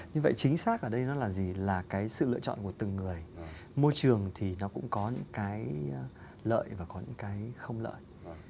như vậy chính xác ở đây nó là gì là cái sự lựa chọn của từng người môi trường thì nó cũng có những cái lợi và có những cái không lợi